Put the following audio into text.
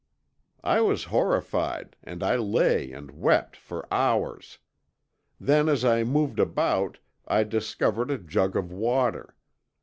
"I was horrified and I lay and wept for hours. Then as I moved about I discovered a jug of water.